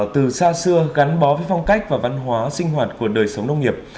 từ xa xưa gắn bó với phong cách và văn hóa sinh hoạt của đời sống nông nghiệp